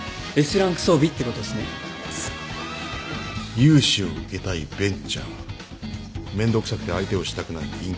融資を受けたいベンチャーめんどくさくて相手をしたくない銀行。